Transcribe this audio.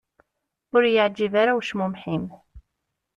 Ur i-yeεǧib ara ucmumeḥ-im.